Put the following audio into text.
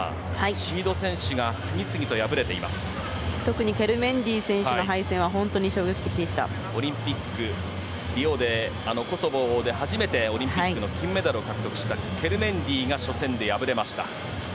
シード選手が特にケルメンディ選手のオリンピックリオでコソボで初めてオリンピックの金メダルを獲得したケルメンディが初戦で敗れました。